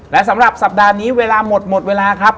และสำหรับสัปดาห์นี้เวลาหมดหมดเวลาครับ